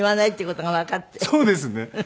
そうですね。